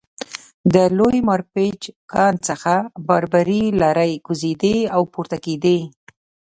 له لوی مارپیچ کان څخه باربري لارۍ کوزېدې او پورته کېدې